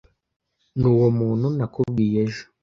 Nuwo muntu nakubwiye ejo.